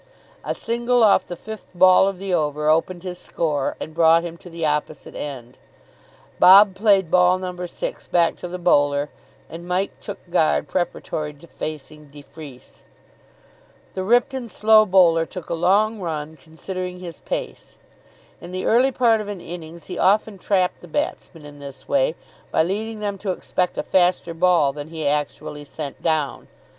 A single off the fifth ball of the over opened his score and brought him to the opposite end. Bob played ball number six back to the bowler, and Mike took guard preparatory to facing de Freece. The Ripton slow bowler took a long run, considering his pace. In the early part of an innings he often trapped the batsmen in this way, by leading them to expect a faster ball than he actually sent down.